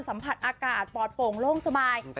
สัมผัสอากาศปอดโป่งโล่งสบาย